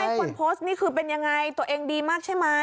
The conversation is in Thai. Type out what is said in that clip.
คนโพสต์นี่คือเป็นยังไงตัวเองดีมากใช่ไหม